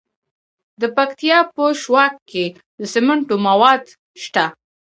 د پکتیا په شواک کې د سمنټو مواد شته.